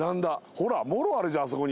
ほらもろあるじゃんあそこに。